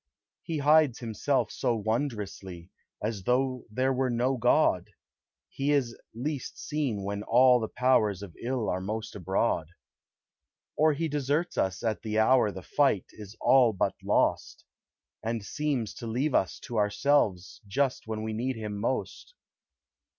He hides himself so wondrously, As though there were no God; He is least seen when all the powers Of ill are most abroad. Or he deserts us at the hour The fight is all but lost; And seems to leave us to ourselves Just when we need him most.